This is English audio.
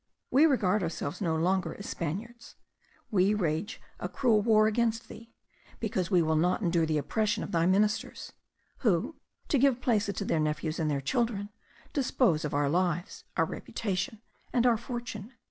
We regard ourselves no longer as Spaniards. We wage a cruel war against thee, because we will not endure the oppression of thy ministers; who, to give places to their nephews and their children, dispose of our lives, our reputation, and our fortune.